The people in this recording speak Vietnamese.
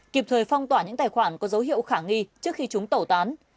kịp thời phong tỏa những tài khoản có dấu hiệu khả nghi trước khi chúng tẩu tán